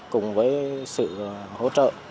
cùng với sự hỗ trợ